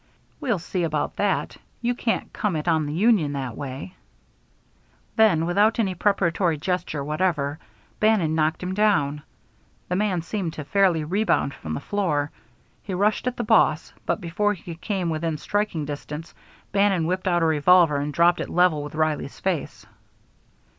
"We'll see about that. You can't come it on the union that way " Then, without any preparatory gesture whatever, Bannon knocked him down. The man seemed to fairly rebound from the floor. He rushed at the boss, but before he could come within striking distance, Bannon whipped out a revolver and dropped it level with Reilly's face.